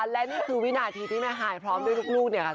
และนี่คือวินาทีที่แม่ฮายพร้อมด้วยลูกเนี่ยค่ะ